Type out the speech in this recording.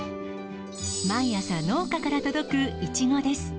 毎朝農家から届くイチゴです。